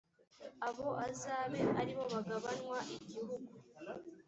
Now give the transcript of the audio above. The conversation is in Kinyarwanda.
abo azabe ari bo bagabanywa igihugu